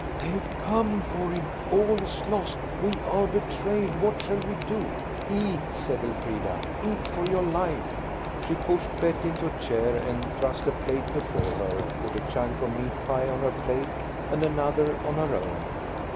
"They've come for him! All is lost! We are betrayed! What shall we do?" "Eat," said Elfrida,–"eat for your life." She pushed Bet into a chair and thrust a plate before her, put a chunk of meat pie on her plate and another on her own.